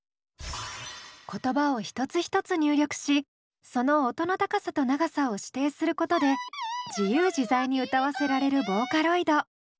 言葉を一つ一つ入力しその音の高さと長さを指定することで自由自在に歌わせられるボーカロイド。